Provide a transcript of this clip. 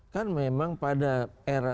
kan memang pada era